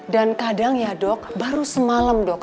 dan kadang ya dok baru semalam dok